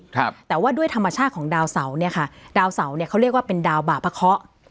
ครับแต่ว่าด้วยธรรมชาติของดาวเสาเนี้ยค่ะดาวเสาเนี้ยเขาเรียกว่าเป็นดาวบาปะเคาะ